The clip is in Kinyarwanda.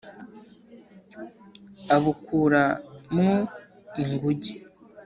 abukura mwo ingunge